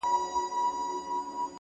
ځوان د پوره سلو سلگيو څه راوروسته’